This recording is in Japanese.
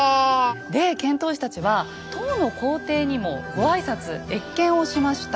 で遣唐使たちは唐の皇帝にもご挨拶謁見をしました。